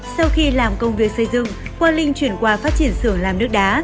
sau khi làm công việc xây dựng quang linh chuyển qua phát triển sửa làm nước đá